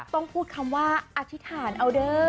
ต้องพูดคำว่าอธิษฐานเอาเด้อ